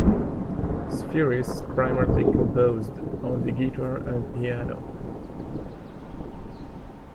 Spheeris primarily composed on the guitar and piano.